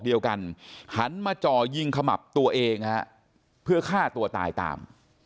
เดียวกันหันมาจ่อยิงขมับตัวเองเพื่อฆ่าตัวตายตาม